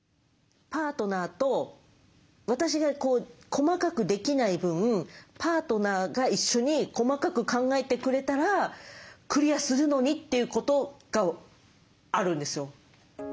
パートナーと私が細かくできない分パートナーが一緒に細かく考えてくれたらクリアするのにということがあるんですよ。